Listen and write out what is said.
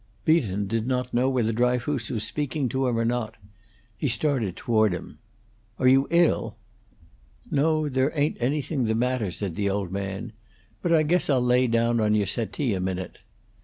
Beaton did not know whether Dryfoos was speaking to him or not. He started toward him. "Are you ill?" "No, there ain't anything the matter," said the old man. "But I guess I'll lay down on your settee a minute."